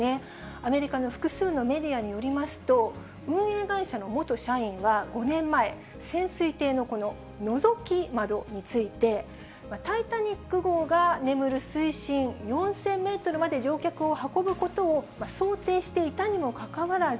アメリカの複数のメディアによりますと、運営会社の元社員は５年前、潜水艇ののぞき窓について、タイタニック号が眠る水深４０００メートルまで乗客を運ぶことを想定していたにもかかわらず、